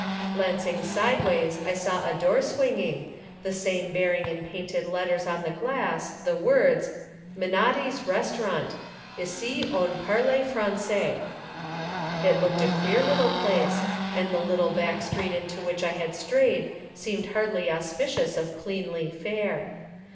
Glancing sideways I saw a door swinging, the same bearing in painted letters on the glass the words: "Menotti's Restaurant Ici on parle Francais." It looked a queer little place, and the little back street into which I had strayed seemed hardly auspicious of cleanly fare.